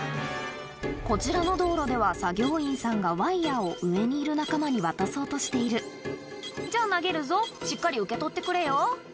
こちらの道路では作業員さんがワイヤを上にいる仲間に渡そうとしている「じゃあ投げるぞしっかり受け取ってくれよ」